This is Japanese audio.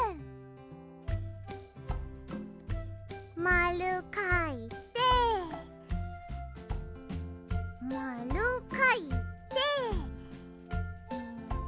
まるかいてまるかいて。